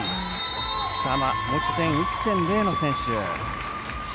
北間、持ち点１．０の選手。